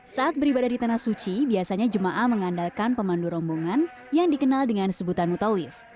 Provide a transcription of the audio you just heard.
saat beribadah di tanah suci biasanya jemaah mengandalkan pemandu rombongan yang dikenal dengan sebutan mutawif